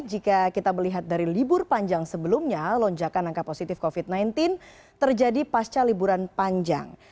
jika kita melihat dari libur panjang sebelumnya lonjakan angka positif covid sembilan belas terjadi pasca liburan panjang